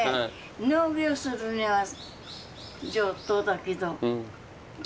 農業するには上等だけど。